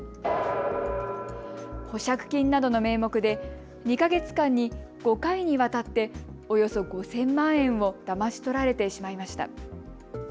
保釈金などの名目で２か月間に５回にわたっておよそ５０００万円をだまし取られてしまいました。